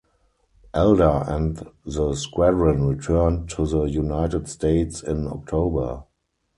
Elder and the squadron returned to the United States in October.